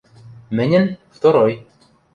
– Мӹньӹн – второй.